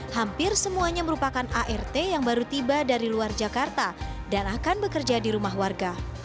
hampir semuanya merupakan art yang baru tiba dari luar jakarta dan akan bekerja di rumah warga